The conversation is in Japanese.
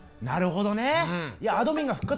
なるほどね！